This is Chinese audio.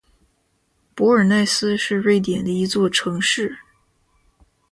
博尔奈斯是瑞典的一座城市。